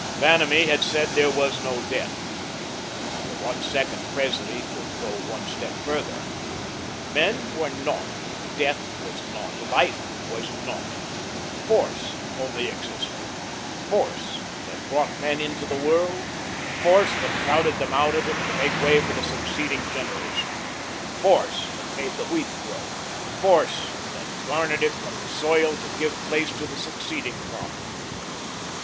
Vanamee had said there was no death. But for one second Presley could go one step further. Men were naught, death was naught, life was naught; FORCE only existed FORCE that brought men into the world, FORCE that crowded them out of it to make way for the succeeding generation, FORCE that made the wheat grow, FORCE that garnered it from the soil to give place to the succeeding crop.